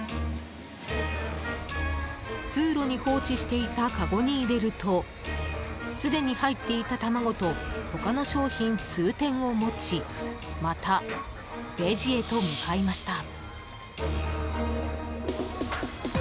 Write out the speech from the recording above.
通路に放置していたかごに入れるとすでに入っていた卵と他の商品数点を持ちまたレジへと向かいました。